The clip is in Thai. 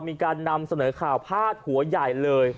มีการนำเสนอข่าวพาดหัวใหญ่เลย